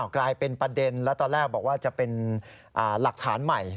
กลายเป็นประเด็นแล้วตอนแรกบอกว่าจะเป็นหลักฐานใหม่